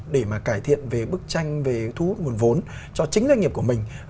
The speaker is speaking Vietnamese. để mà cải thiện về bức tranh về thu hút nguồn vốn cho chính doanh nghiệp của mình